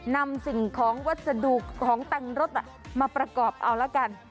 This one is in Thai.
นำสิ่งของวัสดุของแต่งรถมาประกอบเอาละกัน